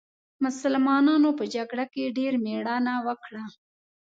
مسلمانانو په جګړه کې ډېره مېړانه وکړه.